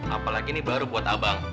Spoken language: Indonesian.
apalagi ini baru buat abang